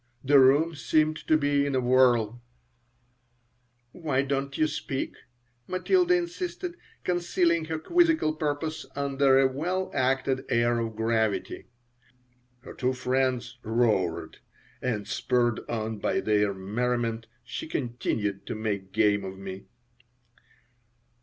The room seemed to be in a whirl "Why don't you speak?" Matilda insisted, concealing her quizzical purpose under a well acted air of gravity Her two friends roared, and, spurred on by their merriment, she continued to make game of me.